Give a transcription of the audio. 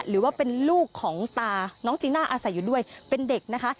หรือว่าเป็นลูกของตาน้องจีน่าอาศัยอยู่ด้วยเป็นเด็กนะคะ